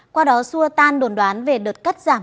qua đó xua tan đồn đoán về đợt cắt giảm